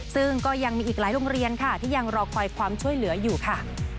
ซึ่งก็ยังมีอีกหลายโรงเรียนค่ะที่ยังรอคอยความช่วยเหลืออยู่ค่ะ